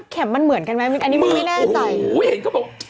เข็มมันเหมือนกันไหมอันนี้มึงไม่แน่ใจเห็นเขาบอก